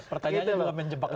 pertanyaannya juga menjebak juga